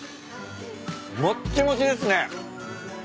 もっちもちですね。